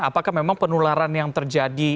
apakah memang penularan yang terjadi